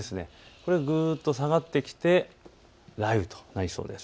これがぐっと下がってきて雷雨となりそうです。